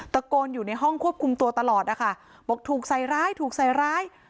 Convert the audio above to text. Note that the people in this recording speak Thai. ตะโกนอยู่ในห้องควบคุมตัวตลอดนะคะบอกถูกใส่ร้ายถูกใส่ร้าย